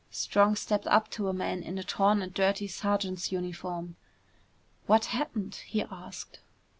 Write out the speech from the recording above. Strong stepped up to a man in a torn and dirty sergeant's uniform. "What happened?" he asked.